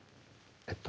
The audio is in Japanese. えっと